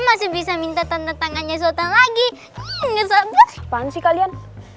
masih bisa minta tanda tangannya sultan lagi ngasah apaan sih kalian